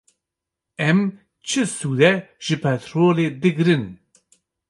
Em çi sûdê ji petrolê digirin?